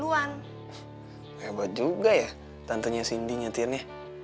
hebat juga ya tantenya cindy nyetirnya